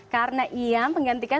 karena ia menggantikan